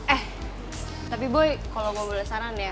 eh tapi boy kalo gue boleh saran ya